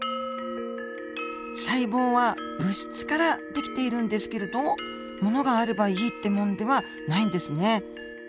細胞は物質から出来ているんですけれど物があればいいってもんではないんですね。